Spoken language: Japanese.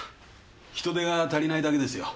人手が足りないだけですよ。